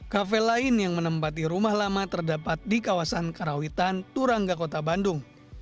kafe lain yang menempati rumah lama terdapat di kawasan karawitan turangga kota bandung